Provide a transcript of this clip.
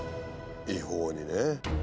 違法にね。